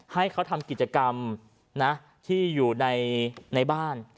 ให้เขาทำกิจกรรมที่อยู่ในบ้าน